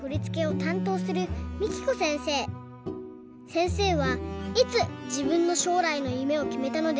せんせいはいつじぶんのしょうらいのゆめをきめたのでしょうか？